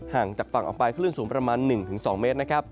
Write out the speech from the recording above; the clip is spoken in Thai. ห่างจากฝั่งออกไปคลื่นสูงประมาณ๑๒เมตรนะครับ